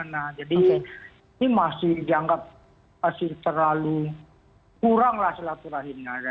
jadi ini masih dianggap terlalu kurang silaturahmi